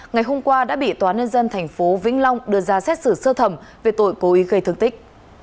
ngày hôm qua đã bị tòa nhân dân tp vĩnh long đưa ra xét xử sơ thẩm về tội cố ý gây thương tích